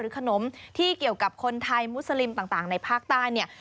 ขนมที่เกี่ยวกับคนไทยมุสลิมต่างในภาคใต้เนี่ย